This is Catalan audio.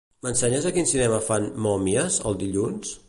M'ensenyes a quin cinema fan "Mòmies" el dilluns?